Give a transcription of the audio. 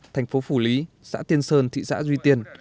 thành phố phủ lý xã tiên sơn thị xã duy tiên